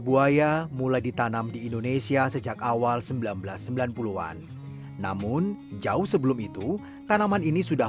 buaya mulai ditanam di indonesia sejak awal seribu sembilan ratus sembilan puluh an namun jauh sebelum itu tanaman ini sudah